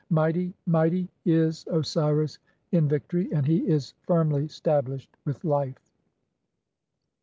Mighty, mighty "is Osiris in victory, and he is firmly stablished with life."